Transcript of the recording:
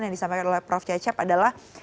yang disampaikan oleh prof cecep adalah